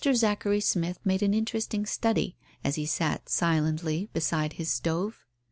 Zachary Smith made an interesting study as he sat silently beside his stove.